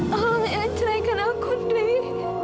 jangan mencerahkan aku dary